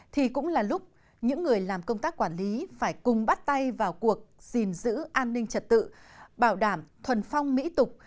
thì cũng là lúc những người làm công tác quản lý phải cùng bắt tay vào cuộc gìn giữ an ninh trật tự bảo đảm thuần phong mỹ tục